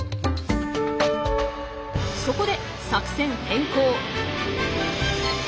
そこで作戦変更。